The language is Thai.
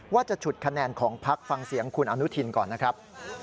จะฉุดคะแนนของพักฟังเสียงคุณอนุทินก่อนนะครับ